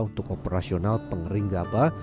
untuk operasional pengering gabak